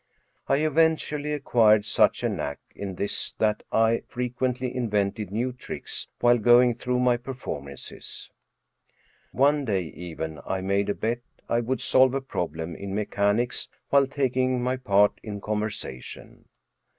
I eventually acquired such a knack in this that I frequently invented new tricks while going through my performances. One day, even, I made a bet I would solve a problem in mechanics while taking my part in conversation.